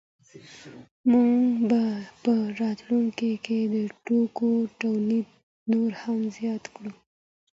موږ به په راتلونکي کي د توکو تولید نور هم زیات کړو.